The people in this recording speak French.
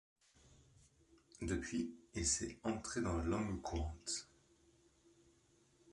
Depuis il s'est entré dans la langue courante.